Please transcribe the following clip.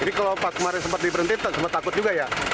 jadi kalau pas kemarin sempat diberhenti sempat takut juga ya